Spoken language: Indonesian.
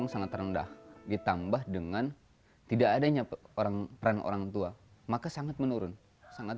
sangat rendah ditambah dengan tidak adanya orang peran orang tua maka sangat menurun sangat